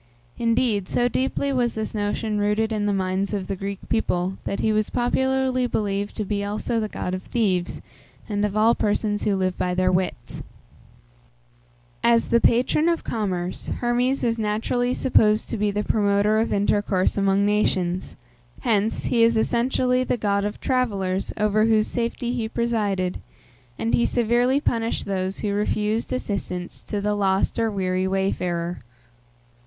Indeed, so deeply was this notion rooted in the minds of the Greek people, that he was popularly believed to be also god of thieves, and of all persons who live by their wits. As the patron of commerce, Hermes was naturally supposed to be the promoter of intercourse among nations; hence, he is essentially the god of travellers, over whose safety he presided, and he severely punished those who refused assistance to the lost or weary wayfarer.